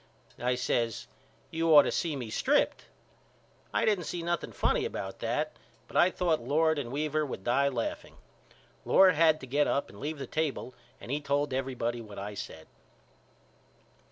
I says You ought to see me stripped. I didn't see nothing funny about that but I thought Lord and Weaver would die laughing. Lord had to get up and leave the table and he told everybody what I said.